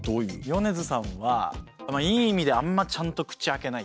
米津さんはいい意味であんまちゃんと口開けないっていう。